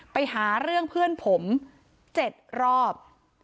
ไปหาเรื่องเพื่อนผม๗รอบ